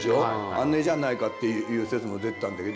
あれじゃないかっていう説も出てたんだけど。